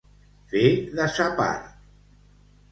Fer de sa part.